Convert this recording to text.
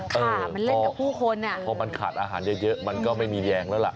มันเล่นกับผู้คนอ่ะพอมันขาดอาหารเยอะมันก็ไม่มีแยงแล้วล่ะ